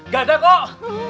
gak ada kok